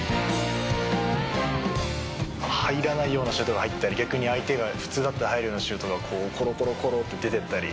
入らないようなシュートが入ったり逆に相手が普通だったら入るようなシュートがこうコロコロコロッて出て行ったり。